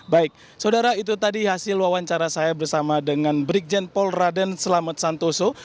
baik saudara itu tadi hasil wawancara saya bersama dengan brigjen paul raden selamat santoso